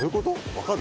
分かる？